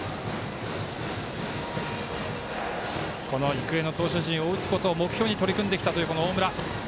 育英の投手陣を打つことを目標に取り組んできたという大村。